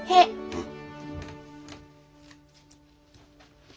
うん。